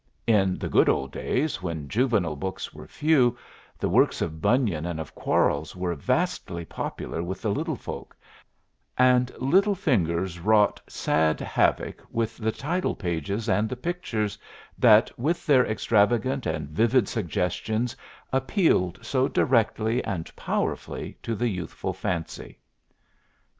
In the "good old days," when juvenile books were few, the works of Bunyan and of Quarles were vastly popular with the little folk, and little fingers wrought sad havoc with the title pages and the pictures that with their extravagant and vivid suggestions appealed so directly and powerfully to the youthful fancy.